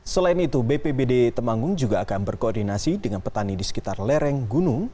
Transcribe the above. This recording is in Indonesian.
selain itu bpbd temanggung juga akan berkoordinasi dengan petani di sekitar lereng gunung